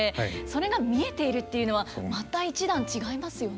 それが見えているっていうのはまた一段違いますよね。